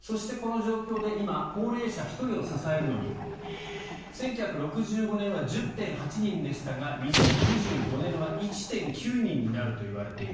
そしてこの状況で今、高齢者１人を支えるのに１９６５年は１０．８人でしたが２０２５年は１．９人になるといわれている。